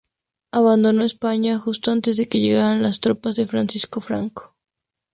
Abandonó España justo antes de que llegaran las tropas de Francisco Franco.